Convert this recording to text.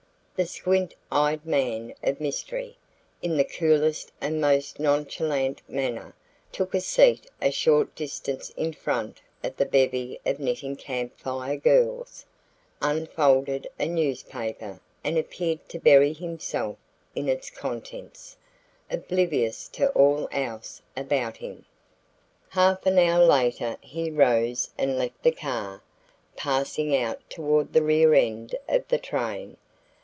The squint eyed man of mystery, in the coolest and most nonchalant manner, took a seat a short distance in front of the bevy of knitting Camp Fire Girls, unfolded a newspaper and appeared to bury himself in its contents, oblivious to all else about him. Half an hour later he arose and left the car, passing out toward the rear end of the train.